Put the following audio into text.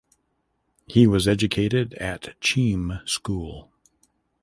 He was educated at Cheam School.